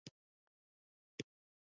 اورینوکو سیند چیرې تویږي؟